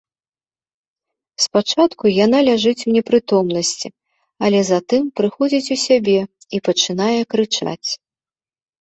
Спачатку яна ляжыць у непрытомнасці, але затым прыходзіць у сябе і пачынае крычаць.